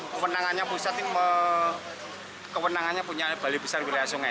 karena di sana juga kewenangannya punya balai besar wilayah sungai